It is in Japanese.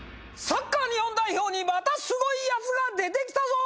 サッカー日本代表にまたスゴいヤツが出てきたぞＳＰ！